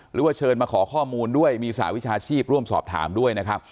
หรือว่าเชิญมาขอข้อมูลด้วยมีสหวิชาชีพร่วมสอบถามด้วยนะครับ